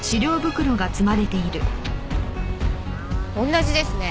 同じですね。